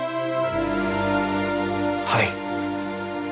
はい。